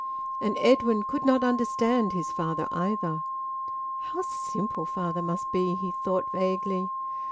And Edwin could not understand his father either. "How simple father must be!" he thought vaguely.